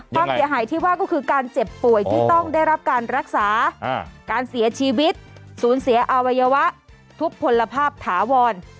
ความเสียหายที่ว่าก็คือการเจ็บป่วยที่ต้องได้รับการรักษาการเสียชีวิตสูญเสียอวัยวะทุกผลภาพถาวร